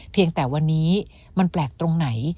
เพียงแต่วันนี้มันแปลกตรงไหน